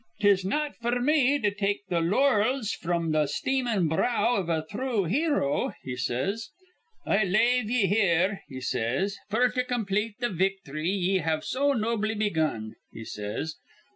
''Tis not f'r me to take th' lorls fr'm th' steamin' brow iv a thrue hero,' he says. 'I lave ye here,' he says, 'f'r to complete th' victhry ye have so nobly begun,' he says.